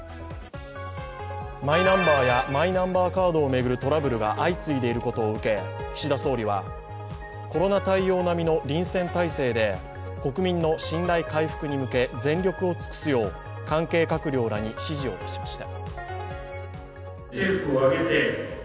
マイナンバーやマイナンバーカードを巡るトラブルが相次いでいることを受け岸田総理はコロナ対応並みの臨戦態勢で国民の信頼回復に向け全力を尽くすよう関係閣僚らに指示を出しました。